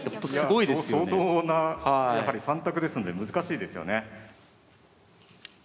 いや相当なやはり３択ですんで難しいですよね。